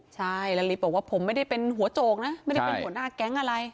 ใช่แล้วลิฟต์บอกว่าผมไม่ได้เป็นหัวโจกนะไม่ได้เป็นหัวหน้าแก๊งอะไร